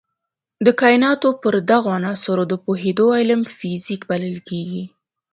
د کایناتو پر دغو عناصرو د پوهېدو علم فزیک بلل کېږي.